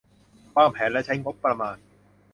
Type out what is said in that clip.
วางแผนและใช้งบประมาณ